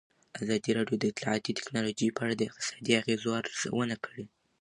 ازادي راډیو د اطلاعاتی تکنالوژي په اړه د اقتصادي اغېزو ارزونه کړې.